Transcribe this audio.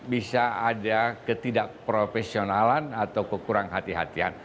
bisa ada ketidakprofesionalan atau kekurang hati hatian